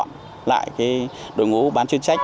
tinh gọn lại đội ngũ bán chuyên trách